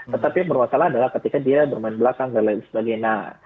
tetapi yang bermasalah adalah ketika dia bermain belakang dan lain sebagainya